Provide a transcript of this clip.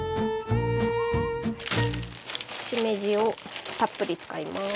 しめじをたっぷり使います。